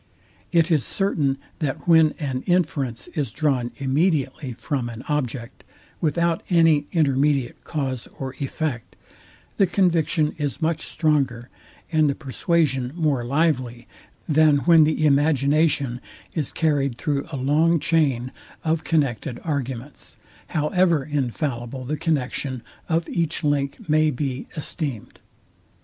It is certain, that when an inference is drawn immediately from an object, without any intermediate cause or effect, the conviction is much stronger, and the persuasion more lively, than when the imagination is carryed through a long chain of connected arguments, however infallible the connexion of each link may be esteemed.